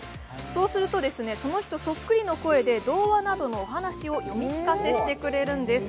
そうするとその人そっくりの声で童話などのお話を読み聞かせしてくれるんです。